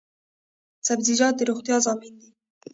سبزیجات د روغتیا ضامن دي